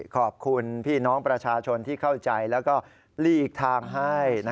ขอบคุณพี่น้องประชาชนที่เข้าใจแล้วก็หลีกทางให้